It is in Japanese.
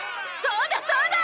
そうだそうだ！